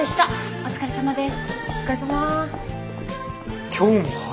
お疲れさまです。